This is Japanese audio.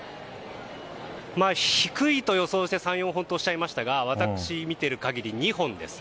低いと予想して３４本とおっしゃいましたが私が見ている限り、２本です。